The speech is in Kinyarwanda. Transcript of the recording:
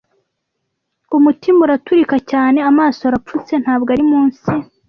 Umutima uraturika cyane, amaso arapfutse, ntabwo ari munsi